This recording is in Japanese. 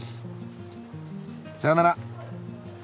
さよなら。